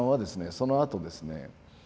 そのあとですね。